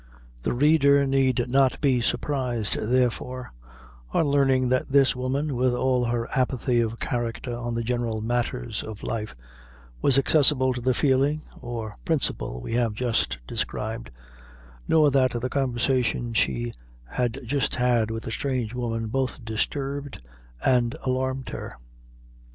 The reader need not be surprised, therefore, on learning that this woman, with all her apathy of character on the general matters of life, was accessible to the feeling or principle we have just described, nor that the conversation she had just had with the strange woman, both disturbed and alarmed her.